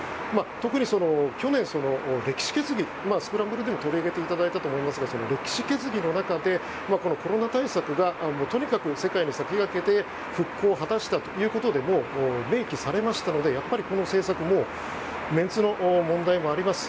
特に去年「スクランブル」でも取り上げていただいたと思いますが歴史決議の中でコロナ対策がとにかく世界に先駆けて復興を果たしたということで励起されましたのでやっぱり、この政策もメンツの問題もあります。